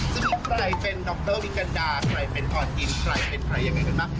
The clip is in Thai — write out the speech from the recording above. จะมีใครเป็นดรวิกันดาใครเป็นออนอินใครเป็นใครยังไงกันบ้าง